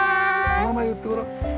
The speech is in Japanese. お名前言ってごらん？